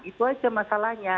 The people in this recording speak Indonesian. itu aja masalahnya